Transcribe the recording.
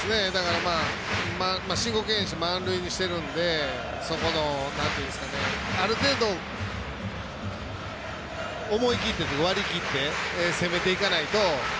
申告敬遠して満塁にしているんである程度思い切ってというか割り切って攻めていかないと。